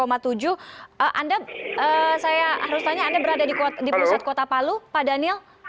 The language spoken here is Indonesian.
anda saya harus tanya anda berada di pusat kota palu pak daniel